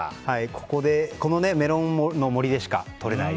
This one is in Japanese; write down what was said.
このメロンの森でしかとれない。